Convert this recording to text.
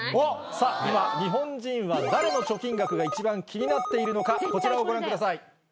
さぁ今日本人は誰の貯金額が一番気になっているのかこちらをご覧ください。